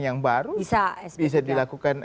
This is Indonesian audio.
yang baru bisa dilakukan